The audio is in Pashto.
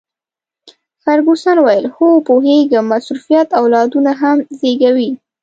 فرګوسن وویل: هو، پوهیږم، مصروفیت اولادونه هم زیږوي.